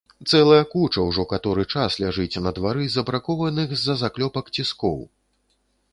Цэлая куча ўжо каторы час ляжыць на двары збракованых з-за заклёпак ціскоў!